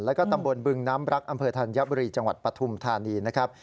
แล้วก็ตำบลบึงน้ำรักอำเภอธัญบุรีจังหวัดปฐุมธานีนะครับ